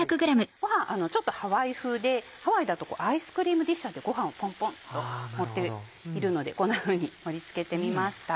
ごはんちょっとハワイ風でハワイだとアイスクリームディッシャーでごはんをポンポンと盛っているのでこんなふうに盛り付けてみました。